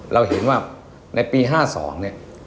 เราเห็นว่าในปี๕๒เนี่ย